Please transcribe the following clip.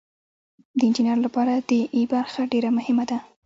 د انجینر لپاره د ای برخه ډیره مهمه ده.